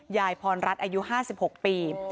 ยายพรรัฐอายุ๕๖ปี